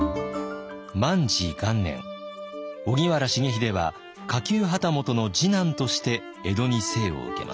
荻原重秀は下級旗本の次男として江戸に生を受けます。